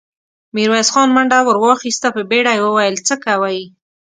ميرويس خان منډه ور واخيسته، په بيړه يې وويل: څه کوئ!